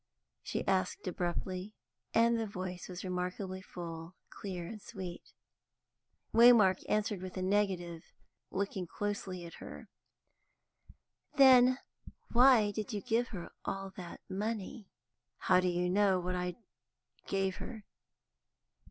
she asked abruptly, and her voice was remarkably full, clear, and sweet. Waymark answered with a negative, looking closely at her. "Then why did you give her all that money?" "How do you know what I gave her?"